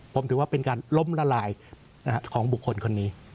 ผมถือว่าเป็นการล้มละลายของบุคคลคนนี้